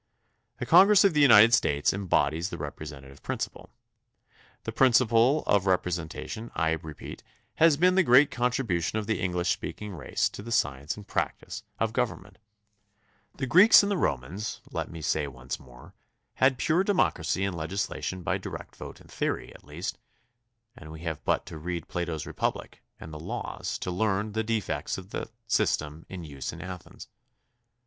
The Congress of the United States embodies the rep resentative principle. The principle of representa tion, I repeat, has been the great contribution of the English speaking race to the science and practice of 66 THE CONSTITUTION AND ITS MAKERS government. The Greeks and the Romans, let me say once more, had pm e democracy and legislation by direct vote in theory, at least, and we have but to read Plato's Republic and The Laws to learn the defects of the system in use in Athens.